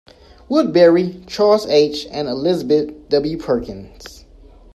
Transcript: Woodbury, Charles H. and Elizabeth W. Perkins.